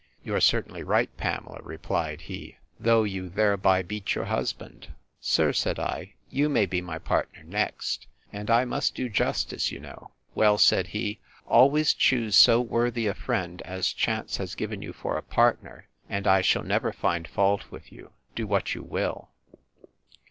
You are certainly right, Pamela, replied he; though you thereby beat your husband. Sir, said I, you may be my partner next, and I must do justice, you know. Well, said he, always choose so worthy a friend, as chance has given you for a partner, and I shall never find fault with you, do what you will.